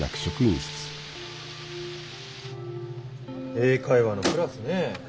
英会話のクラスねえ。